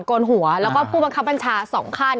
โกนหัวแล้วก็ผู้บังคับบัญชา๒ขั้น